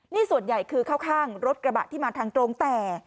นี่ส่วนใหญ่คือเข้าข้างรถกระบะที่มาทางตรงแต่